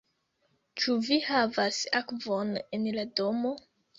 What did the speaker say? Ĉu vi havas akvon en la domo?